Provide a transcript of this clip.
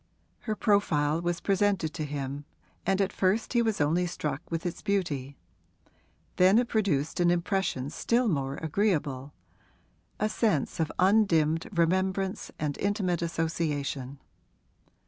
Her profile was presented to him and at first he was only struck with its beauty; then it produced an impression still more agreeable a sense of undimmed remembrance and intimate association.